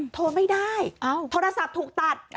โทรไม่ได้โทรศัพท์ถูกตัด